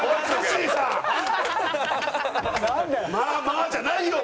「まあまあ」じゃないよ！